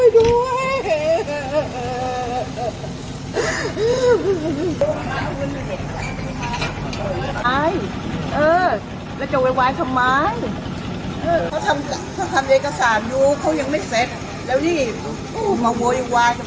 แล้วนี่มาไวไวก็เป็นแบบนี้